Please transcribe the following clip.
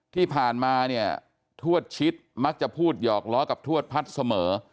ที่ผ่านมาเนี่ยทวดชิดมักจะพูดหยอกล้อกับทวดพัฒน์เสมอ